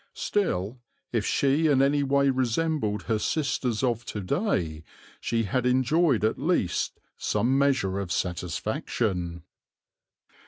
Still, if she in any way resembled her sisters of to day, she had enjoyed at least some measure of satisfaction.